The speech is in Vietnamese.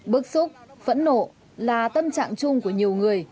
bức xúc phẫn nộ là tâm trạng chung của nhiều người